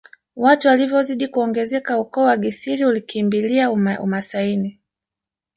Watu walivyozidi kuongezeka ukoo wa Gisiri ulikimbilia umasaini